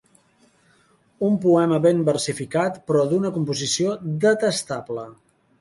Un poema ben versificat però d'una composició detestable.